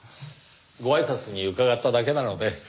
ごあいさつに伺っただけなので。